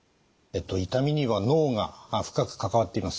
痛みには脳が深く関わっています。